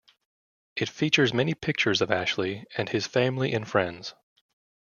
It features many pictures of Ashley and his Family and Friends.